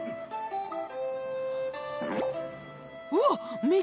うわっ